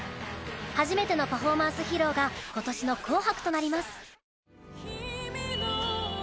初めてのパフォーマンス披露が今年の「紅白」となります。